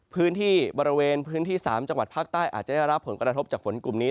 พื้นที่บริเวณพื้นที่๓จังหวัดภาคใต้อาจจะได้รับผลกระทบจากฝนกลุ่มนี้